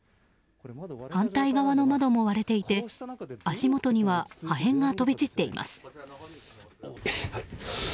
反対側の窓も割れていて足元には破片が飛び散っています。